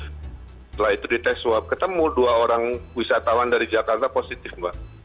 setelah itu dites swab ketemu dua orang wisatawan dari jakarta positif mbak